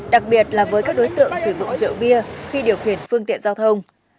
đặc biệt là với các đối tượng sử dụng rượu bia khi điều khiển phương tiện giao thông